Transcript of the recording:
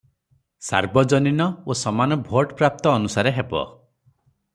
ସାର୍ବଜନୀନ ଓ ସମାନ ଭୋଟପ୍ରାପ୍ତ ଅନୁସାରେ ହେବ ।